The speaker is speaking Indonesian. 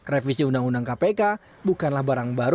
revisi undang undang kpk bukanlah barang baru